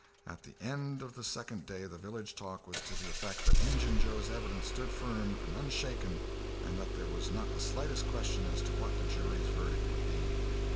At the end of the second day the village talk was to the effect that Injun Joe's evidence stood firm and unshaken, and that there was not the slightest question as to what the jury's verdict would be.